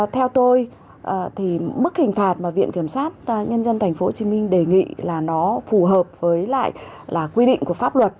theo tôi mức hình phạt mà viện kiểm sát nhân dân tp hcm đề nghị là nó phù hợp với quy định của pháp luật